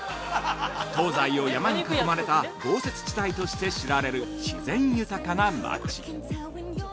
東西を山に囲まれた豪雪地帯として知られる自然豊かな町。